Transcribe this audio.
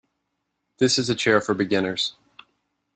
This is a chair for beginners.